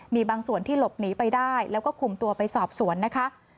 มีบางส่วนที่หลบหนีไปได้แล้วก็คุมตัวไปสอบสวนนะคะ